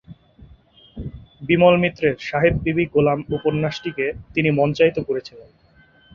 বিমল মিত্রের "সাহেব বিবি গোলাম" উপন্যাসটিকে তিনি মঞ্চায়িত করেছিলেন।